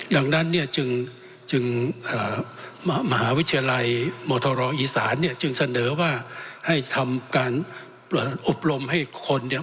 ดังนั้นเนี่ยจึงจึงมหาวิทยาลัยมทรอีสานเนี่ยจึงเสนอว่าให้ทำการอบรมให้คนเนี่ย